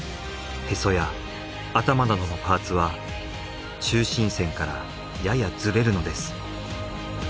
へそや頭などのパーツは中心線からややずれるのです。